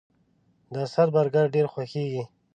د اسد برګر ډیر خوښیږي